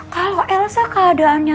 kalau elsa keadaannya